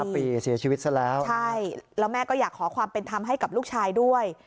ปีเสียชีวิตซะแล้วใช่แล้วแม่ก็อยากขอความเป็นธรรมให้กับลูกชายด้วย